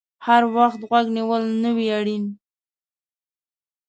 هر وخت غوږ نیول نه وي اړین